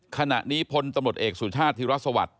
ขณะนี้พลตำรวจเอกสุชาติธิรัฐสวัสดิ